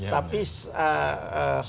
tapi selama ini